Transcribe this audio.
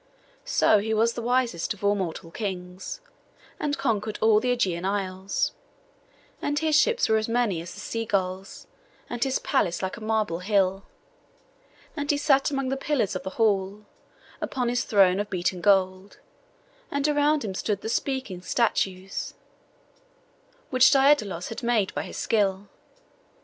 So he was the wisest of all mortal kings, and conquered all the Ægean isles; and his ships were as many as the sea gulls, and his palace like a marble hill. And he sat among the pillars of the hall, upon his throne of beaten gold, and around him stood the speaking statues which Daidalos had made by his skill.